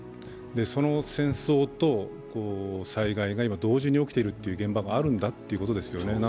その戦争と災害が今、同時に起きている現場があるんだということですよね。